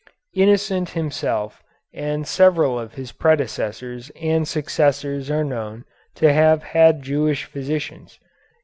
Innocent himself and several of his predecessors and successors are known to have had Jewish physicians.